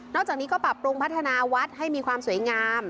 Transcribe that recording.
จากนี้ก็ปรับปรุงพัฒนาวัดให้มีความสวยงาม